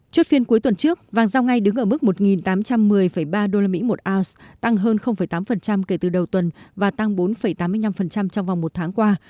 chốt phiên cuối tuần trước vàng giao ngay đứng ở mức một tám trăm một mươi ba usd một ounce tăng hơn tám kể từ đầu tuần và tăng bốn tám mươi năm trong vòng một tháng qua